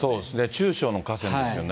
中小の河川ですよね。